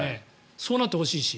そうなってほしいし。